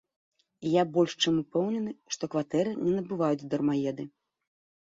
І я больш чым упэўнены, што кватэры не набываюць дармаеды.